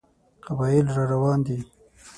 قبایل را روان دي.